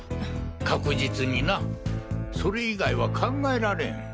確実にな。それ以外は考えられん。